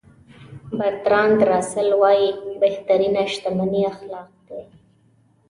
برتراند راسل وایي بهترینه شتمني اخلاق دي.